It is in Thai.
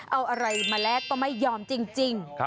เอาอะไรมาแลกก็ไม่ยอมจริง